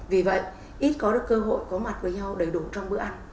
vì vậy ít có được cơ hội có mặt với nhau đầy đủ trong bữa ăn